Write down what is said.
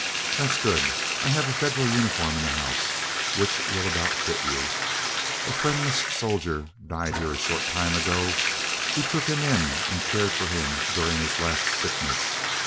"That's good. I have a Federal uniform in the house, which will about fit you. A friendless soldier died here a short time ago. We took him in and cared for him during his last sickness.